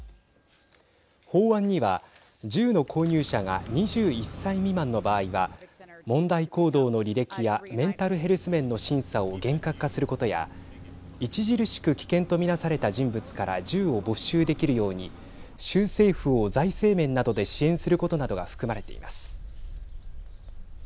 法案には銃の購入者が２１歳未満の場合は問題行動の履歴やメンタルヘルス面の審査を厳格化することや著しく危険と見なされた人物から銃を没収できるように州政府を財政面などで支援することなどが含まれています。